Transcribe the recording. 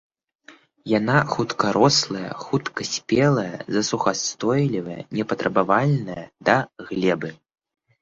Яна хуткарослая, хуткаспелая, засухаўстойлівая, непатрабавальная да глебы.